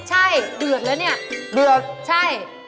ใช่เดือดแล้วเนี่ยเดือดใช่